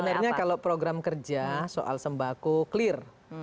sebenarnya kalau program kerja soal sembako clear